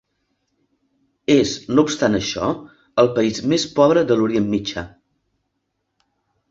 És, no obstant això, el país més pobre de l'Orient Mitjà.